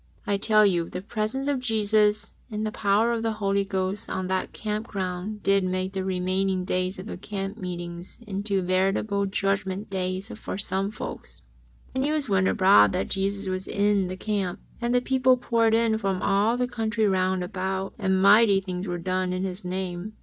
I tell you the presence of Jesus in the power of the Holy Ghost on that camp ground did make the remaining days of the camp meeting into veritable Judgment Days for some folks. Then the news went abroad that Jesus was in the camp, and the people poured in from all the country round about, and mighty things were done in His name.